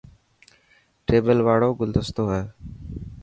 ٽيبل واڙو گلدستو هي.